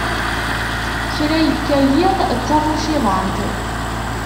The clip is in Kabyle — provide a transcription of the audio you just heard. Kra yekka yiḍ, d tabuciḍant.